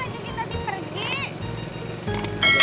kok abang ajak kita pergi